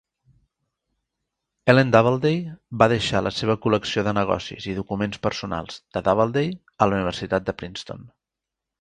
Ellen Doubleday va deixar la seva col·lecció de negocis i documents personals de Doubleday a la Universitat de Princeton.